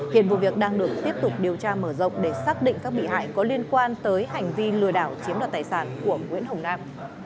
hiện vụ việc đang được tiếp tục điều tra mở rộng để xác định các bị hại có liên quan tới hành vi lừa đảo chiếm đoạt tài sản của nguyễn hồng nam